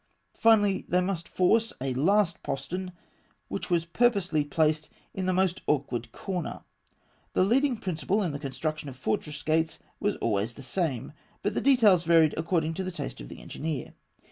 Finally, they must force a last postern (E), which was purposely placed in the most awkward corner. The leading principle in the construction of fortress gates was always the same, but the details varied according to the taste of the engineer.